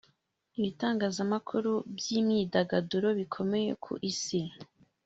Ibitangazamakuru by’imyidagaduro bikomeye ku isi